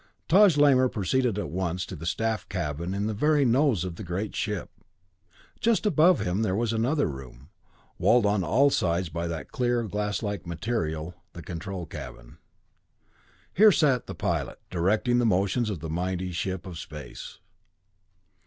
Taj Lamor proceeded at once to the Staff Cabin in the very nose of the great ship. Just above him there was another room, walled on all sides by that clear, glass like material, the control cabin. Here the pilot sat, directing the motions of the mighty ship of space.